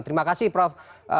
terima kasih prof